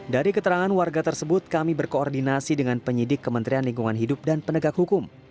dari keterangan warga tersebut kami berkoordinasi dengan penyidik kementerian lingkungan hidup dan penegak hukum